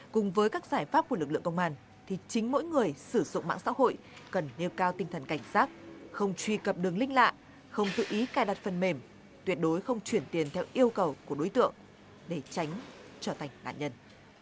cùng với các giải pháp của lực lượng công an thì chính mỗi người sử dụng mạng xã hội cần nêu cao tinh thần cảnh sát không truy cập đường linh lạ không tự ý cài đặt phần mềm tuyệt đối không chuyển tiền theo yêu cầu của đối tượng để tránh trở thành nạn nhân